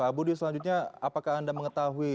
pak budi selanjutnya apakah anda mengetahui